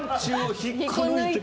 引っこ抜いて。